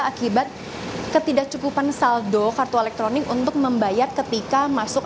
akibat ketidakcukupan saldo kartu elektronik untuk membayar ketika masuk